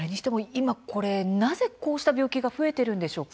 なぜこうした病気が増えているんでしょうか。